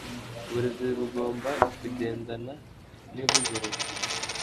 Uburezi Bugomba Kugendana Nivugurura